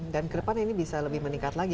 dan kedepan ini bisa lebih meningkat lagi